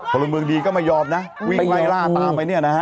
พลเมืองดีก็ไม่ยอมนะวิ่งไล่ล่าตามไปเนี่ยนะฮะ